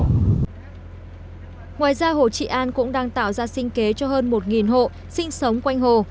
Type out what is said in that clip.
ngoài ra hồ trị an cũng đang tạo ra sinh kế cho hơn một hộ sinh sống quanh hồ